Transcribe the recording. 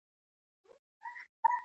د فرهنګ پر ودانۍ نوې خښته کېږدي.